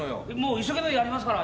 一生懸命やりますから。